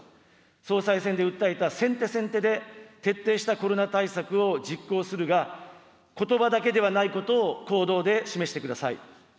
総裁選で訴えた先手先手で徹底したコロナ対策を実行するが、ことばだけではないことを行動で示してください。